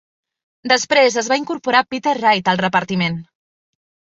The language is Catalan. Després es va incorporar Peter Wright al repartiment.